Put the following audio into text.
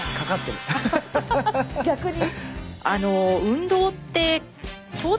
逆に？